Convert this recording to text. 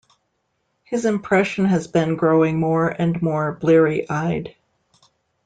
His impression has been growing more and more bleary-eyed.